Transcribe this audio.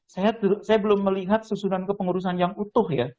saya belum melihat susunan kepengurusan yang utuh ya